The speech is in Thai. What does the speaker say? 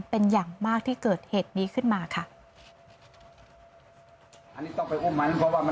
เป็นอย่างมากที่เกิดเหตุนี้ขึ้นมาค่ะ